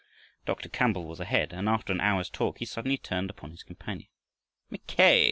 Dr. Campbell was ahead, and after an hour's talk he suddenly turned upon his companion: "Mackay!"